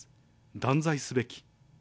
断罪すべき。